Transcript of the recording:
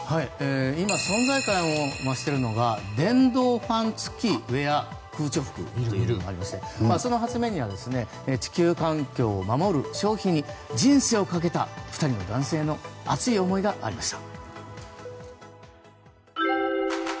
今存在感を増しているのが電動ファン付きウェア空調服というものでその発明には地球環境を守る商品に人生をかけた２人の男性の熱い思いがありました。